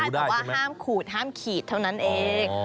แต่ว่าห้ามขูดห้ามขีดเท่านั้นเอง